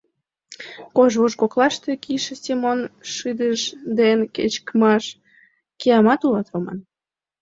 Кож вож коклаште кийыше Семон шыдыж дене кечкыжын: «Киямат улат, Роман!